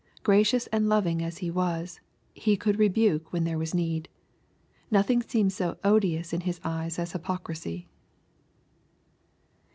Gracious and loving as He was, He could rebuke when there was need. Nothing seems so odious in His eyes as hypocrisy.